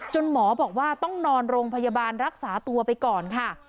หมอบอกว่าต้องนอนโรงพยาบาลรักษาตัวไปก่อนค่ะ